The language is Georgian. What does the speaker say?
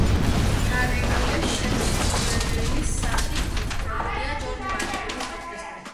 გარეკანზე შემსრულებლის სახით მითითებულია ჯორჯ მარტინის ორკესტრი.